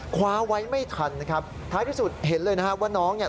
คว้าไว้ไม่ทันถ้าที่สุดเห็นเลยว่าน้องี่